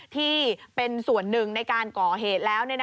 ที่เป็นส่วนหนึ่งในการก่อเหตุแล้ว